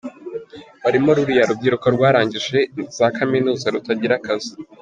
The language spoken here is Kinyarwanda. Barimo ruriya rubyiruko rwarangije za kaminuza rutagira akazi;